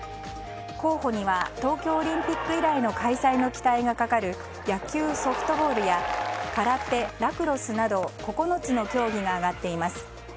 候補には東京オリンピック以来の開催の期待がかかる野球・ソフトボールや空手、ラクロスなど９つの競技が挙がっています。